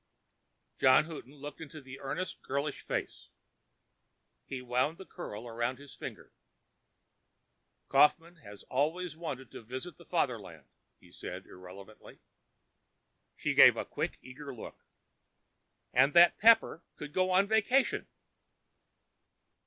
John Houghton looked into the earnest girlish face. He wound the curl about his finger. "Kaufmann has always wanted to visit the Fatherland," he said irrelevantly. She gave a quick, eager look. "And that Pepper could go on a vacation."